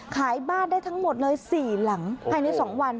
ขายบ้านได้ทั้งหมดเลย๔หลังภายใน๒วัน